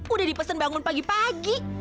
udah dipesan bangun pagi pagi